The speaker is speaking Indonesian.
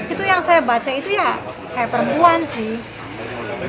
itu yang saya baca itu ya kayak perempuan sih